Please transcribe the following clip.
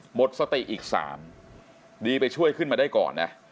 หมดสติอีก๓ดีไปช่วยขึ้นมาได้ก่อนนะ